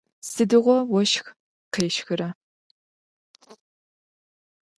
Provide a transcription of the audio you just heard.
Сыдигъо ощх къещхра?